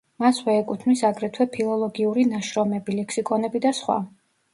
მასვე ეკუთვნის აგრეთვე ფილოლოგიური ნაშრომები, ლექსიკონები და სხვა.